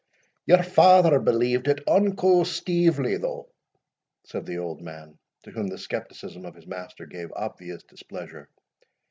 "Your father believed it unco stievely, though," said the old man, to whom the scepticism of his master gave obvious displeasure.